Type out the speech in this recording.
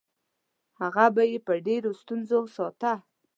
هغه به یې په ډېرو ستونزو ساته.